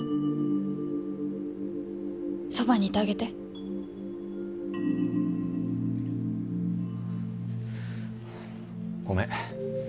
そばにいてあげてごめん